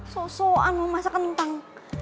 sosoan mau masak kentang